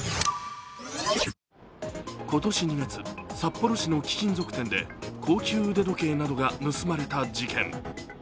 今年２月、札幌市の貴金属店で高級腕時計などが盗まれた事件。